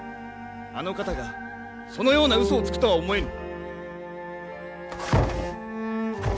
あの方がそのようなうそをつくとは思えぬ。